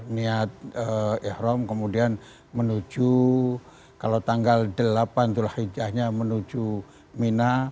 niat ikhram kemudian menuju kalau tanggal delapan itu lah hijahnya menuju mina